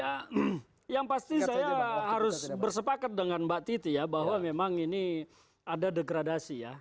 ya yang pasti saya harus bersepakat dengan mbak titi ya bahwa memang ini ada degradasi ya